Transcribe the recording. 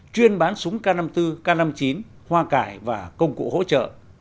chuyên bán súng k năm mươi bốn k năm mươi chín hoa cải và công cụ hỗ trợ